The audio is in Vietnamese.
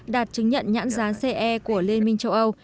đạt chứng nhận nhãn rán ce của liên minh châu âu